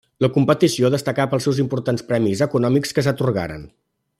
La competició destacà pels importants premis econòmics que s'atorguen.